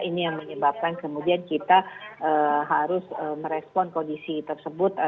ini yang menyebabkan kemudian kita harus merespon kondisi tersebut